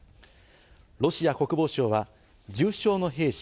ロシア国防省は重傷の兵士